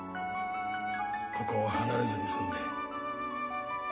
ここを離れずに済んで。